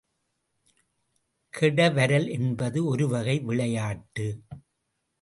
கெடவரல் என்பது ஒருவகை விளையாட்டு.